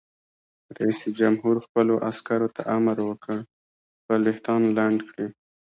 رئیس جمهور خپلو عسکرو ته امر وکړ؛ خپل ویښتان لنډ کړئ!